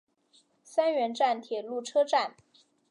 三原站铁路车站。